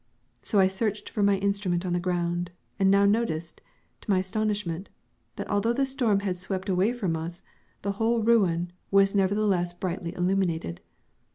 So I searched for my instrument on the ground, and now noticed, to my astonishment, that although the storm had swept away from us, the whole ruin was nevertheless brightly illuminated.